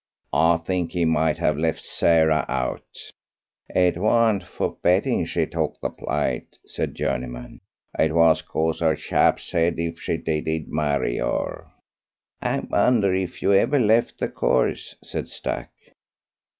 I think he might have left Sarah out." "It warn't for betting she took the plate," said Journeyman; "it was 'cause her chap said if she did he'd marry her." "I wonder you ever left the course," said Stack.